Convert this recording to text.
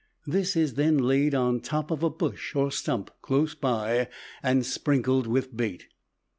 This is then laid on the top of a bush or stump close by and sprinkled with bait.